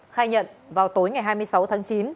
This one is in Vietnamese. khai nhận vào tối ngày hai mươi sáu tháng chín